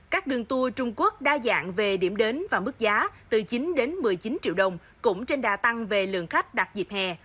các đường tour trung quốc đa dạng về điểm đến và mức giá từ chín đến một mươi chín triệu đồng cũng trên đa tăng về lượng khách đặt dịp hè